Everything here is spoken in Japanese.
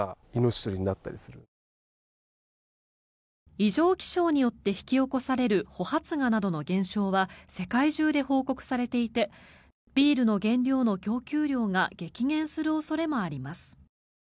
異常気象によって引き起こされる穂発芽などの現象は世界中で報告されていてビールの原料の供給量が激減する恐れもあります。